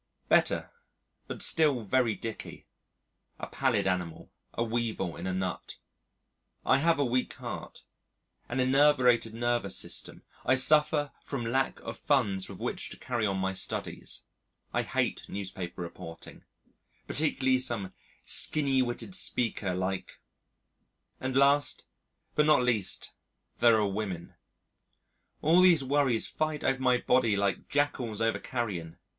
Better, but still very dicky: a pallid animal: a weevil in a nut. I have a weak heart, an enervated nervous system; I suffer from lack of funds with which to carry on my studies; I hate newspaper reporting particularly some skinny witted speaker like ; and last, but not least, there are women; all these worries fight over my body like jackals over carrion.